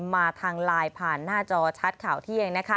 มาทางไลน์ผ่านหน้าจอชัดข่าวเที่ยงนะคะ